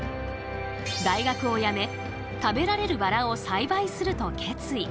大学をやめ食べられるバラを栽培すると決意。